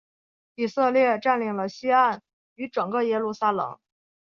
以色列占领了西岸与整个耶路撒冷。